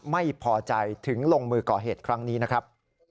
ไม่พอใจถึงลงมือก่อเหตุครั้งนี้นะครับ